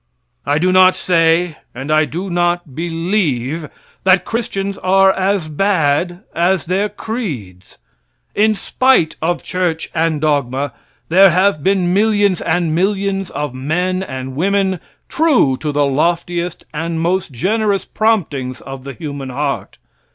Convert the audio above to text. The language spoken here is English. I do not say, and I do not believe, that Christians are as bad as their creeds. In spite of church and dogma, there have been millions and millions of men and women true to the loftiest and most generous promptings of the human heart.